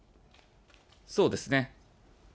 そうですね。